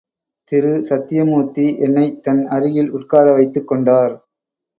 திரு சத்யமூர்த்தி என்னைத் தன் அருகில் உட்கார வைத்துக் கொண்டார்.